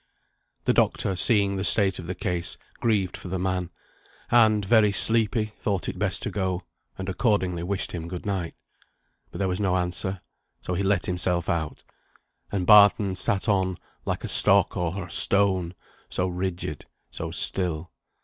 The doctor seeing the state of the case, grieved for the man; and, very sleepy, thought it best to go, and accordingly wished him good night but there was no answer, so he let himself out; and Barton sat on, like a stock or a stone, so rigid, so still.